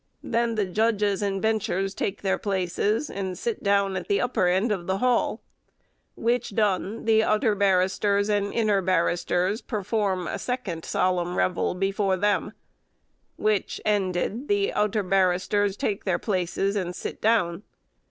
Then the judges and benchers take their places, and sit down at the upper end of the hall. Which done, the utter barristers and inner barristers perform a second solemn revell before them. Which ended, the utter barristers take their places and sit down.